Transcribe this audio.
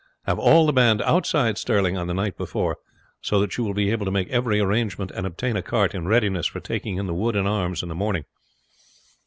Have all the band outside Stirling on the night before, so that you will be able to make every arrangement and obtain a cart in readiness for taking in the wood and arms in the morning.